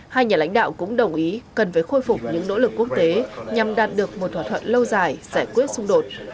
hai nhà lãnh đạo cũng đồng ý cần phải khôi phục những nỗ lực quốc tế nhằm đạt được một thỏa thuận lâu dài giải quyết xung đột